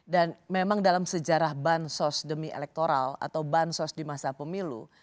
dan memang dalam sejarah bansos demi elektoral atau bansos di masa pemilu